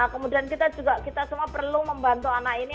kemudian kita juga kita semua perlu membantu anak ini